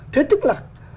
thế tức là